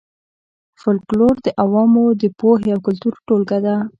فولکلور د عوامو د پوهې او کلتور ټولګه ده